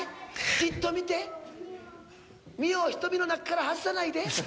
じっと見て」「未央を瞳の中から外さないで」